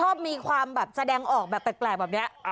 จะชอบมีความแบบแสดงออกแบบแตะแปลงแบบเนี้ย